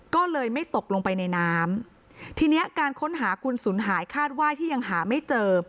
ก็เลยไม่ตกลงไปในน้ำทีนี้การค้นหาคุณสูญหายคาดว่าที่ยังหาไม่เจอ